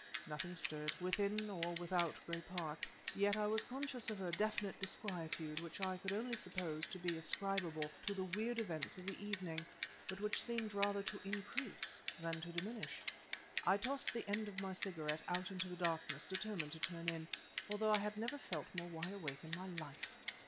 Nothing stirred, within or without Greywater Park. Yet I was conscious of a definite disquietude which I could only suppose to be ascribable to the weird events of the evening, but which seemed rather to increase than to diminish. I tossed the end of my cigarette out into the darkness, determined to turn in, although I had never felt more wide awake in my life.